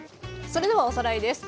それではおさらいです。